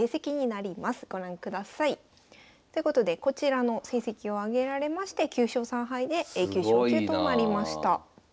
ご覧ください。ということでこちらの成績を挙げられまして９勝３敗でＡ級昇級となりました。